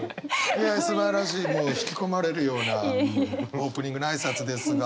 いやすばらしいもう引き込まれるようなオープニングの挨拶ですが。